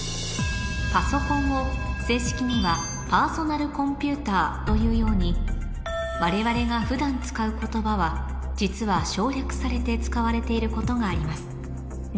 パソコンを正式にはパーソナルコンピューターというように我々が普段使う言葉は実は省略されて使われていることがあります